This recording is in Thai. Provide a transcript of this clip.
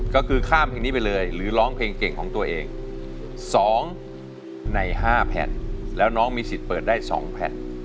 ก็คือข้ามเพลงนี้ไปเลยหรือร้องเพลงเก่งของตัวเอง๒ใน๕แผ่นแล้วน้องมีสิทธิ์เปิดได้๒แผ่น